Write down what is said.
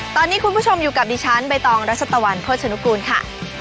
ตอนนี้คุณผู้ชมอยู่กับดิฉันใบตองรัชตะวันโภชนุกูลค่ะ